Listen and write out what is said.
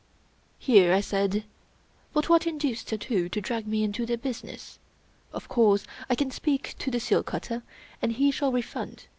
Here I said: "But what induced Suddhoo to drag me into the business? Of course I can speak to the seal cutter, and he shall refund.